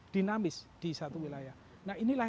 dinamis di satu wilayah nah inilah